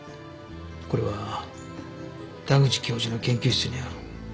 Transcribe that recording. これは田口教授の研究室にある。